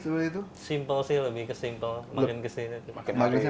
simpel sih lebih ke simple